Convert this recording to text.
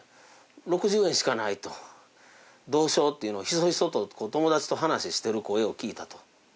６０円しかないとどうしようっていうのをヒソヒソと友達と話してる声を聞いたと。